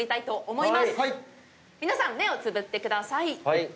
皆さん目をつぶってください。